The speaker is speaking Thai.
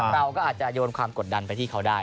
เราก็อาจจะโยนความกดดันไปที่เขาได้